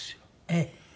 ええ。